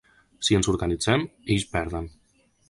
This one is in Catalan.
Si ens organitzem, ells perden.